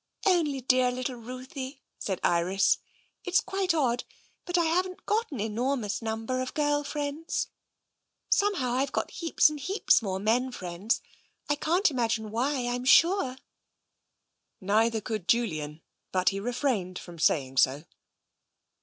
" Only dear little Ruthie," said Iris. " It's quite odd, but I haven't got an enormous number of girl friends. Somehow I've got heaps and heaps more men friends. I can't imagine why, I'm sure." Neither could Julian, but he refrained from saying so.